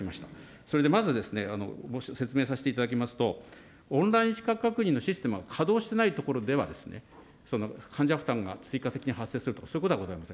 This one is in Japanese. それでまず、説明させていただきますと、オンラインしかく確認のシステムが稼働していないところでは、患者負担が追加的に発生すると、そういうことはございません。